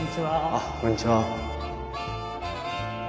あっこんにちは。